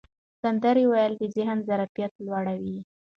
سندرې ویل د ذهن ظرفیت لوړوي.